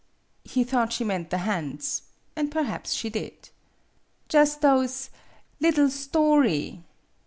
He thought she meant the hands and perhaps she did. "Jus" those liddle story."